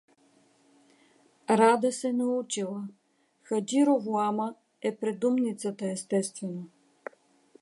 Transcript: — Рада се научила… Хаджи Ровоама е предумницата, естествено.